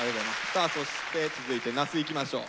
さあそして続いて那須いきましょう。